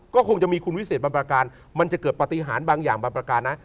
ก็คงจะมีคุณวิเศษบางประการมันจะเกิดปฏิหารบางอย่างบางประการนะ